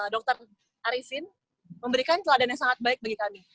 dokter arifin memberikan keadaan yang sangat baik bagi kami